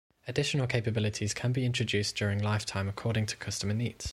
Additional capabilities can be introduced during lifetime according to customer needs.